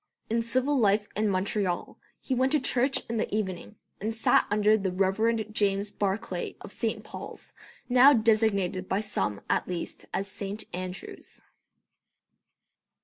In civil life in Montreal he went to church in the evening, and sat under the Reverend James Barclay of St. Pauls, now designated by some at least as St. Andrews.